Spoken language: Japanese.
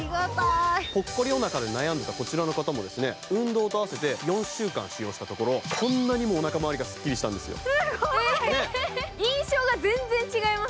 ぽっこりおなかで悩んでいたこちらの方も運動と合わせて４週間使用したところこんなにもおなかまわりがすっきりしたんです印象が全然違います。